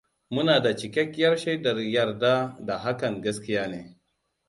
Muna da cikakkiyar shaidar yarda da hakan gaskiya ne.